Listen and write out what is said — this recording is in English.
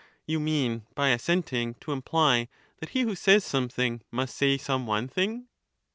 You mean by assenting to imply that he who says something must say some one thing